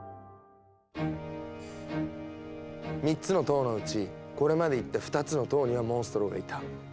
３つの塔のうちこれまで行った２つの塔にはモンストロがいた。